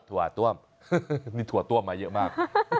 ถั่วต้วมนี่ถั่วต้วมมาเยอะมาก